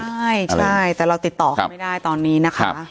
ใช่ใช่แต่เราติดต่อเขาไม่ได้ตอนนี้นะคะ